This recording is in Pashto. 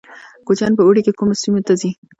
کوچیان په اوړي کې کومو سیمو ته ځي؟